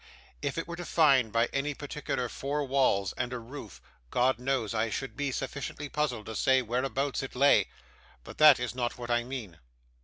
If it were defined by any particular four walls and a roof, God knows I should be sufficiently puzzled to say whereabouts it lay; but that is not what I mean.